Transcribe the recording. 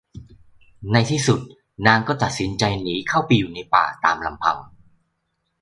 ในที่สุดนางก็ตัดสินใจหนีเข้าไปอยู่ในป่าตามลำพัง